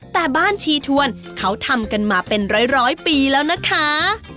แต่บ้านชีทวนเขาทำกันมาเป็นร้อยปีแล้วนะคะ